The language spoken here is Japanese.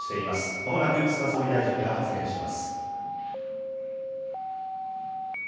まもなく菅総理大臣が発言します。